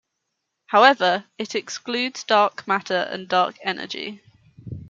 However, it excludes dark matter and dark energy.